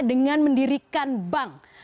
dengan mendirikan bank